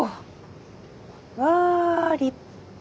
わあ立派！